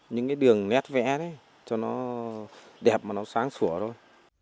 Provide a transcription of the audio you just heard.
những cái đường nét vẽ đấy cho nó đẹp mà nó sáng sủa thôi